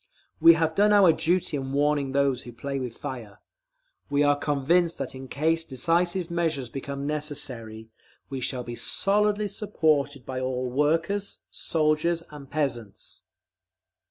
We have done our duty in warning those who play with fire. We are convinced that in case decisive measures become necessary, we shall be solidly supported by all workers, soldiers, and peasants.